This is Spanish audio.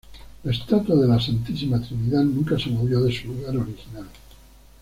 La Estatua de la Santísima Trinidad nunca se movió de su lugar original.